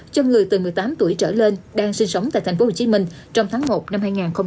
cho người từ một mươi tám tuổi trở lên đang sinh sống tại tp hcm trong tháng một năm hai nghìn hai mươi